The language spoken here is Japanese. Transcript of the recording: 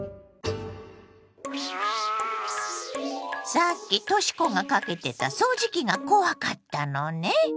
さっきとし子がかけてた掃除機が怖かったのね。